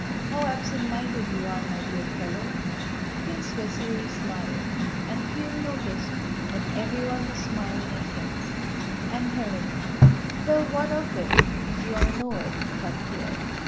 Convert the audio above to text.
"How absent minded you are, my dear fellow." Prince Vasíli smiled, and Pierre noticed that everyone was smiling at him and Hélène. "Well, what of it, if you all know it?" thought Pierre.